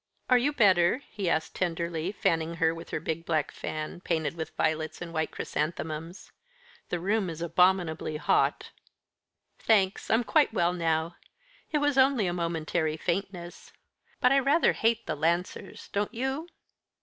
"Are you better?" he asked tenderly, fanning her with her big black fan, painted with violets and white chrysanthemums. "The room is abominably hot." "Thanks. I'm quite well now. It was only a momentary faintness. But I rather hate the Lancers, don't you?"